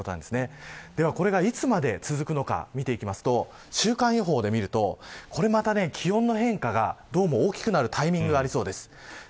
これがいつまで続くのか見ていくと週間予報で見るとこれまた気温の変化が大きくなるタイミングがありそうです。